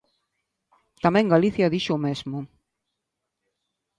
Tamén Galicia dixo o mesmo.